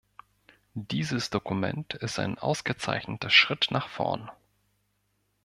Dieses Dokument ist ein ausgezeichneter Schritt nach vorn.